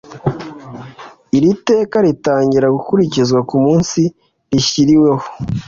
Iri teka ritangira gukurikizwa ku munsi rishyiriweho